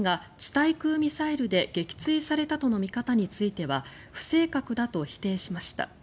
対空ミサイルで撃墜されたとの見方については不正確だと否定しました。